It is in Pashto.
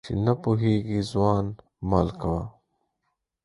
چي نه پوهېږي ځوان مال کوه.